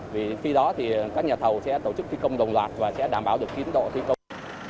vì khi đó thì các nhà thầu sẽ tổ chức thi công đồng loạt và sẽ đảm bảo được tiến độ thi công